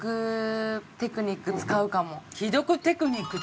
既読テクニックって何？